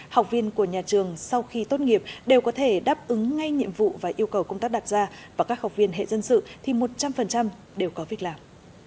học viên của nhà trường sau khi tốt nghiệp đều có thể đáp ứng ngay nhiệm vụ và yêu cầu công tác đặt ra và các học viên hệ dân sự thì một trăm linh đều có việc làm